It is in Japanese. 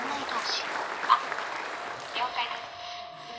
あっ了解です。